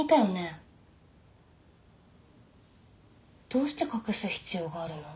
どうして隠す必要があるの？